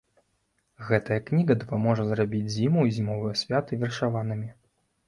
Гэтая кніга дапаможа зрабіць зіму і зімовыя святы вершаванымі.